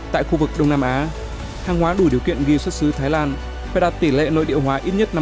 tại khu vực đông nam á hàng hóa đủ điều kiện ghi xuất xứ thái lan phải đạt tỷ lệ nội địa hóa ít nhất năm mươi